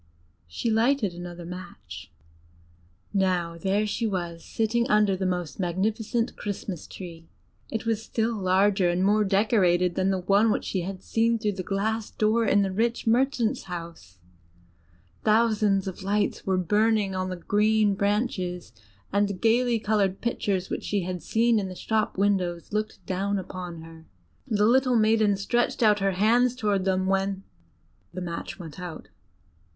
She lighted another match. Now there she was sitting under the most magnificent Christmas trees: it was still larger, and more decorated than the one which she had seen through the glass door in the rich merchant's house. [Illustration: THE LITTLE MATCH GIRL.] Thousands of lights were burning on the green branches, and gaily colored pictures, such as she had seen in the shop windows looked down upon her. The little maiden stretched out her hands towards them when the match went out.